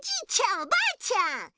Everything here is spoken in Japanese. おばあちゃん！